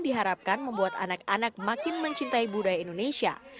diharapkan membuat anak anak makin mencintai budaya indonesia